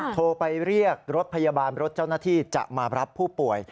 โทรไปเรียกรถพยาบาลรถเจ้าหน้าที่จะมารับผู้ป่วย